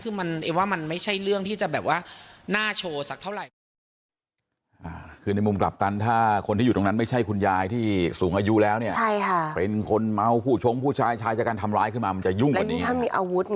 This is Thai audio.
คือมันว่ามันไม่ใช่เรื่องที่จะแบบว่าน่าโชว์สักเท่าไหร่ก็ได้